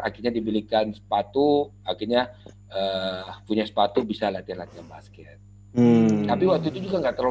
akhirnya dibelikan sepatu akhirnya punya sepatu bisa latih latih masker tapi waktu juga gak terlalu